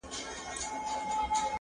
د هستۍ یو نوم اجل بل یې ژوندون .